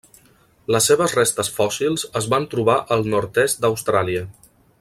Les seves restes fòssils es van trobar al nord-est d'Austràlia.